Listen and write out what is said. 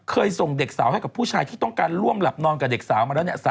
ส่งเด็กสาวให้กับผู้ชายที่ต้องการร่วมหลับนอนกับเด็กสาวมาแล้วเนี่ย